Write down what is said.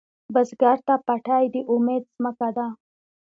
بزګر ته پټی د امید ځمکه ده